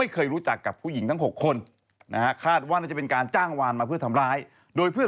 เตรียมพร้อมเลย